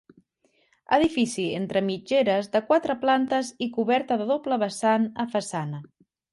Edifici entre mitgeres de quatre plantes i coberta de doble vessant a façana.